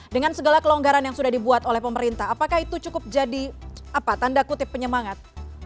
dengan segala kelonggaran yang sudah dibuat oleh pemerintah apakah itu cukup jadi tanda kutip penyemangat